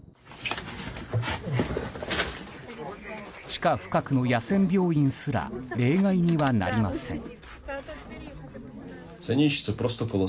地下深くの野戦病院すら例外にはなりません。